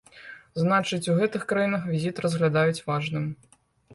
Значыць, у гэтых краінах візіт разглядаюць важным.